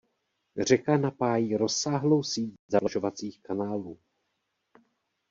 Řeka napájí rozsáhlou síť zavlažovacích kanálů.